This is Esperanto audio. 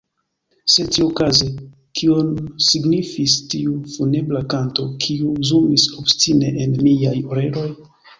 Sed, tiuokaze, kion signifis tiu funebra kanto, kiu zumis obstine en miaj oreloj?